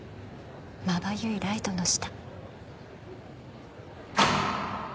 まばゆいライトの下。